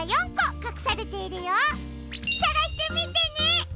さがしてみてね！